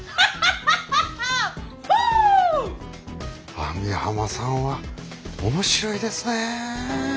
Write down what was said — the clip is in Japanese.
網浜さんは面白いですね。